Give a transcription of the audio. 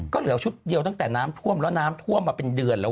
ก็เหลือชุดเดียวตั้งแต่น้ำท่วมแล้วน้ำท่วมมาเป็นเดือนแล้ว